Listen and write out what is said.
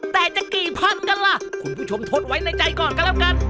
แต่จะกี่พันกันล่ะคุณผู้ชมทนไว้ในใจก่อนกันแล้วกัน